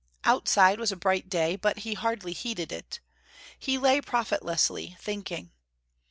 Outside was a bright day but he hardly heeded it. He lay profitlessly thinking.